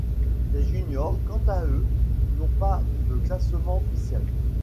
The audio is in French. Les juniors, quant à eux, n'ont pas de classement officiel.